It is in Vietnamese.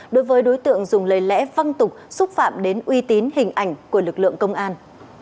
đối với đối tượng dùng lời lẽ văng tục xúc phạm đến uy tín hình ảnh của lực lượng công an